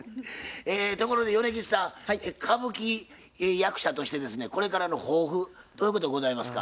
ところで米吉さん歌舞伎役者としてですねこれからの抱負どういうことございますか？